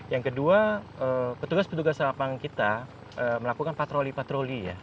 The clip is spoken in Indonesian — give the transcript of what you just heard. yang kedua petugas petugas lapangan kita melakukan patroli patroli ya